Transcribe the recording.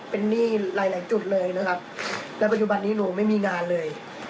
เป็นหนี้หลายหลายจุดเลยนะครับแล้วปัจจุบันนี้หนูไม่มีงานเลย